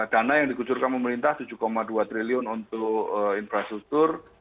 dana yang dikucurkan pemerintah tujuh dua triliun untuk infrastruktur